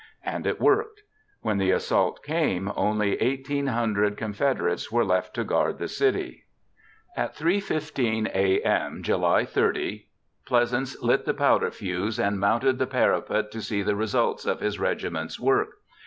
And it worked. When the assault came, only 18,000 Confederates were left to guard the city. At 3:15 a.m., July 30, Pleasants lit the powder fuse and mounted the parapet to see the results of his regiment's work.